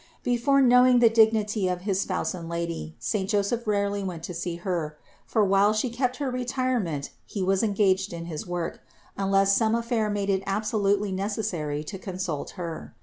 Before knowing the dignity of his Spouse and Lady, saint Joseph rarely went to see Her; for while She kept her retire ment he was engaged in his work, unless some affair made it absolutely necessary to consult Her.